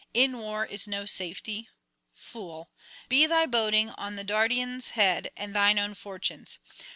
In war is no safety. Fool! be thy boding on the Dardanian's head and thine own fortunes.